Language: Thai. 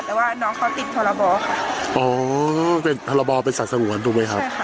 แต่ว่าน้องเขาติดทะละบอค่ะอ๋อทะละบอเป็นสัตว์สงวนตัวไหมครับ